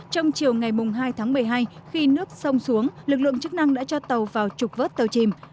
trong chiều ngày hai tháng một mươi hai khi nước sông xuống lực lượng chức năng đã cho tàu vào trục vớt tàu chìm